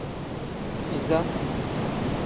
Iza.